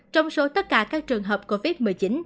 trong số tất cả các trường hợp covid một mươi chín